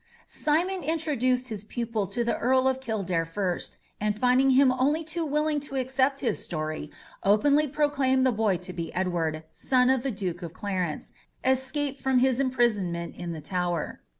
Simon introduced his pupil to the Earl of Kildare first, and finding him only too willing to accept his story, openly proclaimed the boy to be Edward, son of the Duke of Clarence, escaped from his imprisonment in the Tower.